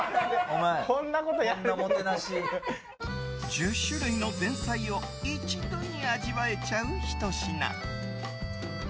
１０種類の前菜を一度に味わえちゃうひと品。